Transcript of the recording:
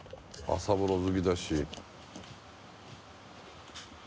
朝風呂好きだし。